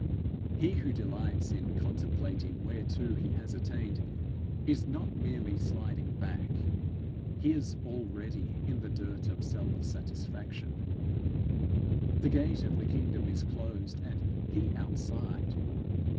He who delights in contemplating whereto he has attained, is not merely sliding back; he is already in the dirt of self satisfaction. The gate of the kingdom is closed, and he outside.